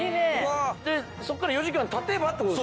そこから４時間経てばって事ですか？